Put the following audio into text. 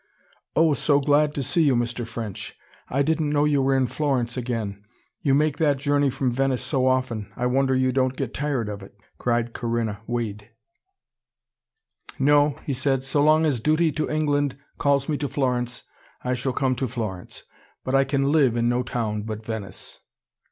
"Oh, so glad to see you, Mr. French. I didn't know you were in Florence again. You make that journey from Venice so often. I wonder you don't get tired of it," cried Corinna Wade. "No," he said. "So long as duty to England calls me to Florence, I shall come to Florence. But I can LIVE in no town but Venice."